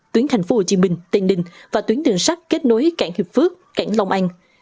tuyến tp hcm tên đình và tuyến đường sắt kết nối cảng hiệp phước cảng long anh